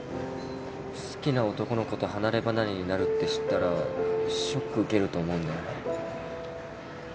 好きな男の子と離れ離れになるって知ったらショック受けると思うんだよね。